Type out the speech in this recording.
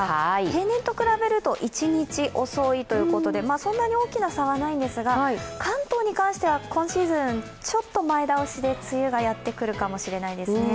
平年と比べると一日遅いということでそんなに大きな差はないんですが、関東に関しては今シーズンちょっと前倒しで梅雨がやってくるかもしれないですね。